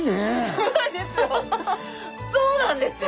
そうなんですよ！